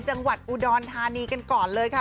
จังหวัดอุดรธานีกันก่อนเลยค่ะ